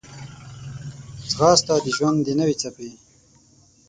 ځغاسته د ژوند د نوې څپې